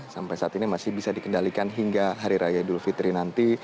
sampai saat ini masih bisa dikendalikan hingga hari raya idul fitri nanti